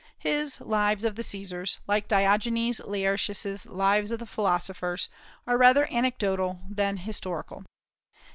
His "Lives of the Caesars," like Diogenes Laertius's "Lives of the Philosophers," are rather anecdotical than historical.